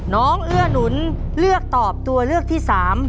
เอื้อหนุนเลือกตอบตัวเลือกที่๓